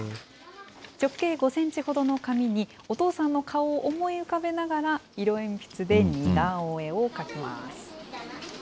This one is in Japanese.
直径５センチほどの紙に、お父さんの顔を思い浮かべながら、色鉛筆で似顔絵を描きます。